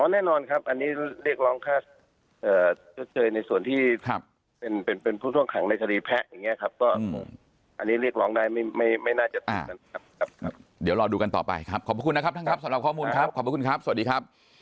อ๋อแน่นอนครับอันนี้เรียกร้องค่าชดเชยในส่วนที่เป็นผู้ช่วงขังในทฤแพะอย่างเงี้ยครับ